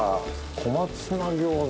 小松菜餃子